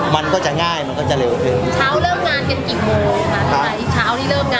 มันก็จะง่ายมันก็จะเร็วขึ้นเริ่มงานกันกี่โมงใช่ไหม